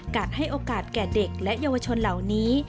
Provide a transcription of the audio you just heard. ให้โอกาสแก่เด็กและเยาวชนเหล่านี้